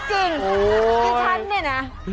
โอ้โฮนี่ฉันนี่นะ